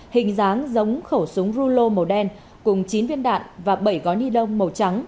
hình dáng giống khẩu súng rulo màu đen cùng chín viên đạn và bảy gói nidông màu trắng